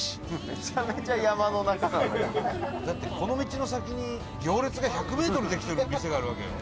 伊達：だって、この道の先に行列が１００ｍできてる店があるわけよ。